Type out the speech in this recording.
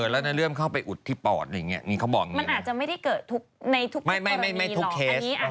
แล้วเริ่มเข้าไปอุดที่ปอดอะไรอย่างเงี้ยมันอาจจะไม่ได้เกิดในทุกปรณีหรอก